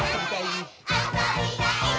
あそびたいっ！！」